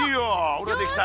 ほらできた！